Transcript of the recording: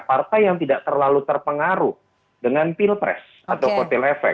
partai yang tidak terlalu terpengaruh dengan pilpres atau kotel efek